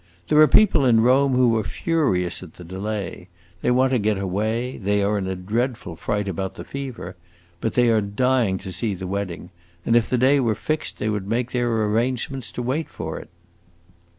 There are people in Rome who are furious at the delay; they want to get away; they are in a dreadful fright about the fever, but they are dying to see the wedding, and if the day were fixed, they would make their arrangements to wait for it.